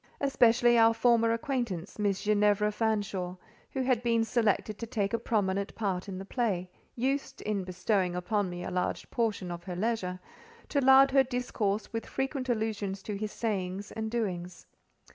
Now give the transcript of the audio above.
Especially our former acquaintance, Miss Ginevra Fanshawe,—who had been selected to take a prominent part in the play—used, in bestowing upon me a large portion of her leisure, to lard her discourse with frequent allusions to his sayings and doings.